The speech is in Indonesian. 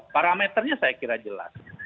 parameternya saya kira jelas